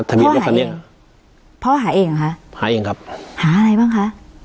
ทะเบียนรถคันนี้พ่อหาเองเหรอคะหาเองครับหาอะไรบ้างคะ